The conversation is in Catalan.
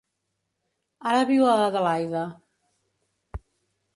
Ara viu a Adelaida.